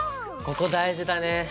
ここ大事だね。